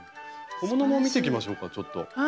小物も見ていきましょうかちょっと。